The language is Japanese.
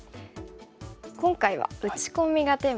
今回は打ち込みがテーマなんですね。